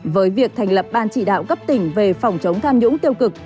với việc thành lập ban chỉ đạo cấp tỉnh về phòng chống tham nhũng tiêu cực